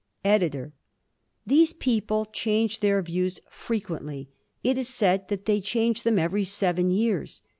EDITOR: These people change their views frequently. It is said that they change them every seven years.